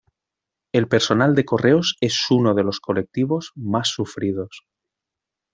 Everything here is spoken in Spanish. El personal de correos es uno de los colectivos más sufridos.